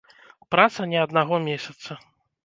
Праца не аднаго месяца.